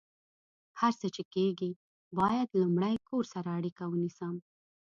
هر څه چې کیږي، باید لمړۍ کور سره اړیکه ونیسم